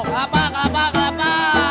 kelapa kelapa kelapa